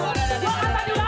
danam danam danam danam danam